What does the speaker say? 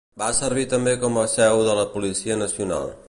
Va servir també com a seu de la Policia Nacional.